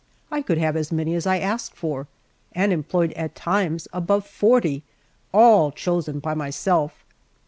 I could have as many as I asked for, and employed at times above forty, all chosen by myself.